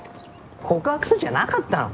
告白すんじゃなかったのかよ。